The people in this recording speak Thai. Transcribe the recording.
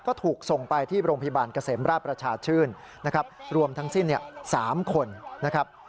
ก็ถูกส่งไปที่โรงพยาบาลเกษมราชประชาชื่นนะครับรวมทั้งสิ้น๓คนนะครับ